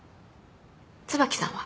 椿さんは？